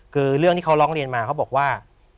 คือเรื่องที่เขาร้องเรียนมาเขาบอกว่า